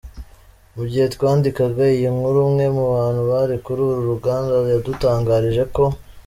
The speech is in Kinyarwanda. Mu gihe twandikaga iyi nkuru, umwe mu bantu bari kuri uru ruganda, yadutangarije ko.